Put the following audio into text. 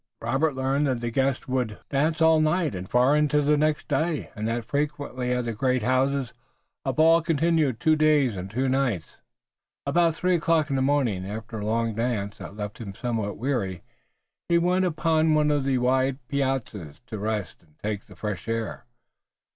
Robert learned that the guests would dance all night and far into the next day, and that frequently at the great houses a ball continued two days and two nights. About three o'clock in the morning, after a long dance that left him somewhat weary, he went upon one of the wide piazzas to rest and take the fresh air.